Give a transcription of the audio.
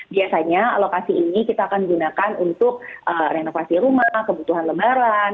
biasanya alokasi ini kita akan gunakan untuk renovasi rumah kebutuhan lebaran